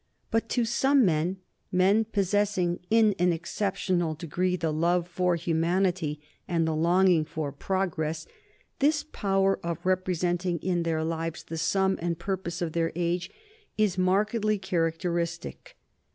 But to some men, men possessing in an exceptional degree the love for humanity and the longing for progress, this power of representing in their lives the sum and purpose of their age is markedly characteristic.